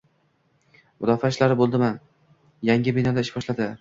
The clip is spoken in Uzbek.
Mudofaa ishlari bo‘limi yangi binoda ish boshladi